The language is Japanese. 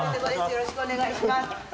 よろしくお願いします。